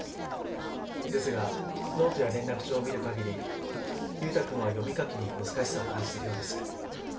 ですがノートや連絡帳を見る限り優太くんは読み書きに難しさを感じているようです。